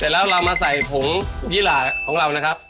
แล้วเรามาใส่ผงยี่หล่าของเรานะครับ